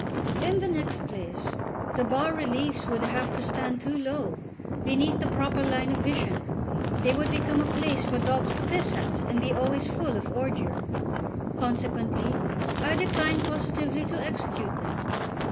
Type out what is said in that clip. In the next place, the bas reliefs would have to stand too low, beneath the proper line of vision; they would become a place for dogs to piss at, and be always full of ordure. Consequently, I declined positively to execute them.